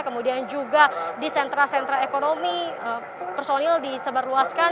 kemudian juga di sentra sentra ekonomi personil disebarluaskan